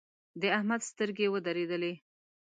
د احمد سترګې ودرېدلې.